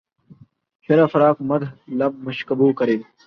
شرح فراق مدح لب مشکبو کریں